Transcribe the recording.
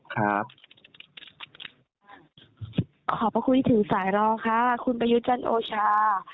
ขอบพระคุณถึงสายรองค่ะคุณประยุทธ์จันทร์โอชา